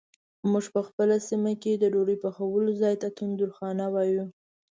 مونږ په خپله سیمه کې د ډوډۍ پخولو ځای ته تندورخانه وایو.